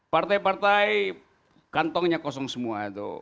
partai partai kantongnya kosong semua itu